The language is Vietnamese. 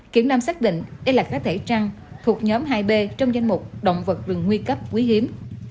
kiểm nam xác định đây là cá thể trăng thuộc nhóm hai b trong danh mục động vật rừng nguy cấp quý hiếm